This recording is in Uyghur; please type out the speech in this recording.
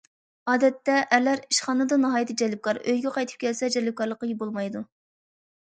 ئادەتتە ئەرلەر ئىشخانىدا ناھايىتى جەلپكار، ئۆيىگە قايتىپ كەلسە جەلپكارلىقى بولمايدۇ.